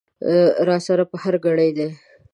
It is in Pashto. را سره په هر ګړي دي